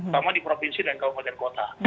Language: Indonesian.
terutama di provinsi dan kompeten kota